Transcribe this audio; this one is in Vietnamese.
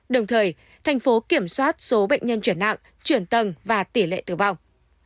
đồng thời thành phố kiểm soát số bệnh nhân chuyển nặng chuyển tầng và tỷ lệ tử vong